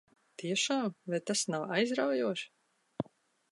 Tiešām? Vai tas nav aizraujoši?